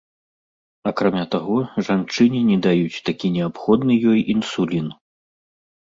Акрамя таго, жанчыне не даюць такі неабходны ёй інсулін.